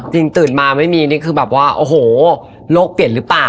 ตื่นมาไม่มีนี่คือแบบว่าโอ้โหโลกเปลี่ยนหรือเปล่า